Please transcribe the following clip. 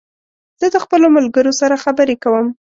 زه د خپلو ملګرو سره خبري کوم